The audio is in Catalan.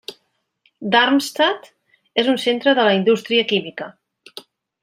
Darmstadt és un centre de la indústria química.